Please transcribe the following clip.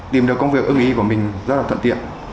tìm được công việc ưng ý của mình rất là thuận tiện